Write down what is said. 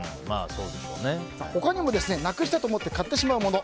他にも、なくしたと思って買ってしまうもの